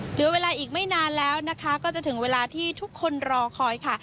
เหลือเวลาอีกไม่นานแล้วนะคะก็จะถึงเวลาที่ทุกคนรอคอยค่ะ